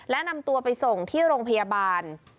และนำตัวไปส่งที่โรงพยาบาล